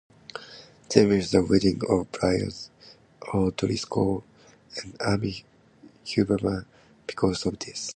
They missed the wedding of Brian O'Driscoll and Amy Huberman because of this.